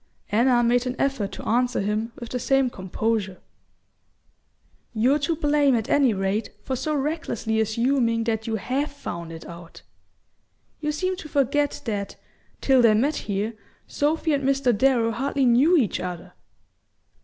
Anna made an effort to answer him with the same composure. "You're to blame, at any rate, for so recklessly assuming that you HAVE found it out. You seem to forget that, till they met here, Sophy and Mr. Darrow hardly knew each other."